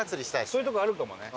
そういうとこあるかもね。